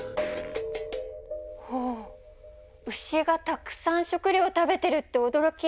ほう牛がたくさん食料食べてるっておどろき！